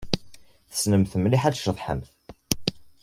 Tessnemt mliḥ ad tceḍḥemt.